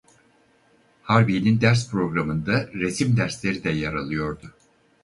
Harbiyenin ders programında resim dersleri de yer alıyordu.